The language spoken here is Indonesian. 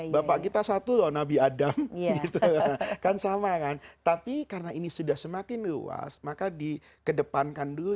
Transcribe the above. bapak kita satu loh nabi adam gitu kan sama kan tapi karena ini sudah semakin luas maka dikedepankan dulu